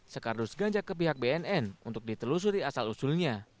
sekardus ganja ke pihak bnn untuk ditelusuri asal usulnya